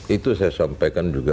itu saya sampaikan juga